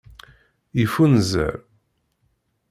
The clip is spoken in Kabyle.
Yeffunzer.